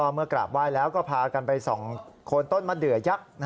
เมื่อกราบไหว้แล้วก็พากันไปส่องโคนต้นมะเดือยักษ์